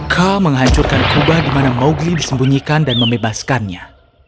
k menghancurkan kubah di mana mowgli disembunyikan dan membebaskannya